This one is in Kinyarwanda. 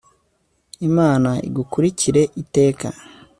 imana igukurikire iteka